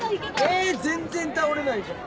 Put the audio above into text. え全然倒れないじゃん。